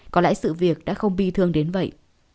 có lẽ sự việc đã không bi thương đến vậy